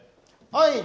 はい。